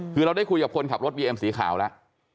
คือเราได้คุยกับคนขับรถบีเอ็มสีขาวแล้ว